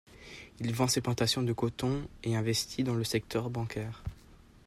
Il vend ses plantations de coton et investit dans le secteur bancaire.